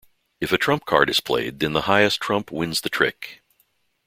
If a trump card is played then the highest trump wins the trick.